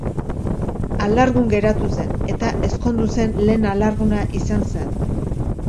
Alargun geratu zen, eta ezkondu zen lehen alarguna izan zen.